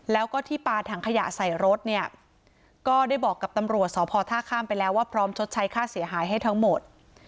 แล้วก็ที่ปาถังขยะใส่รถเนี่ยก็ได้บอกกับตำรวจสพท่าข้ามไปแล้วว่าพร้อมชดใช้ค่าเสียหายให้ทั้งหมด